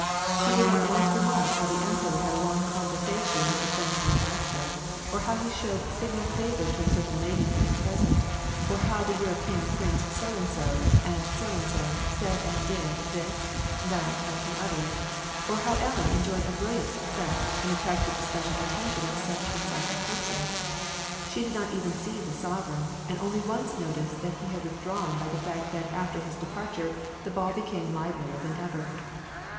She did not once remark how the emperor had a long convei*sation with the French ambas> sador ; or how he showed signal favor to a certain lady who was present ; or how the European Prince So and So and So and So said and did this, that, and the other ; or how Ellen en joyed a bnlliaut success and attracted the special attention of such and such a person : she did not even see the sovereign, and only noticed that he had withdrawn by the fact that after his departure the ball became livelier than ever.